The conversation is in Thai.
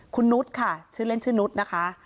คุณนุษย์ค่ะชื่อเล่นชื่อนุษย์นะคะ